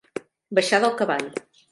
Baixar del cavall.